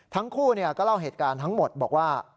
ทั้งคู่ก็เล่าเหตุการณ์ทั้งหมดบอกว่า